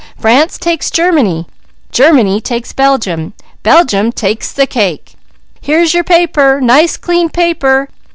France takes Germany! Germany takes Belgium! Belgium takes the cake! Here's your paper! Nice clean paper!